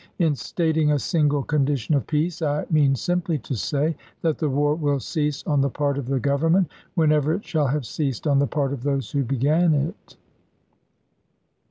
In stating a single condition of peace, I mean simply to say that the war will cease on the part of the Government whenever it shall have ceased on the part of those who began it.